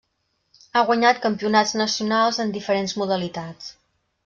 Ha guanyat campionats nacionals en diferents modalitats.